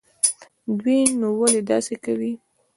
دوى نو ولې داسې کوي.